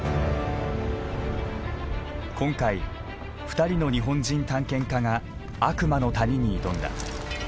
今回２人の日本人探検家が悪魔の谷に挑んだ。